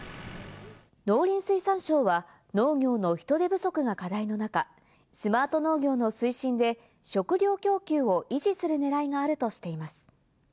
農林水産省は農業の人手不足が課題の中、スマート農業の推進で食料供給を維持する狙いがあるとしています。